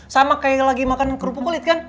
sama kayak lagi makan kerupuk kulit kan